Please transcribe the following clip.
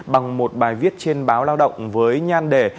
bằng một bài viết trên báo lao động với nhan đề